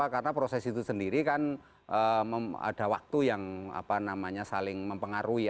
karena proses itu sendiri kan ada waktu yang saling mempengaruhi